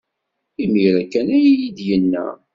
Imir-a kan ay iyi-d-yenna.